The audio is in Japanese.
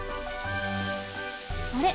あれ？